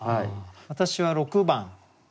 私は６番。